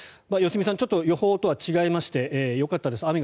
良純さん、ちょっと予報とは違いましてよかったです。